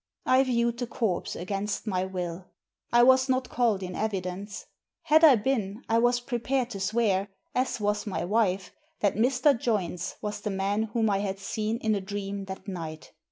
I viewed the corpse against my wilL I was not called in evidence. Had I been, I was prepared to swear, as was my wife, that Mr. Joynes was the man whom I had seen in a dream that night.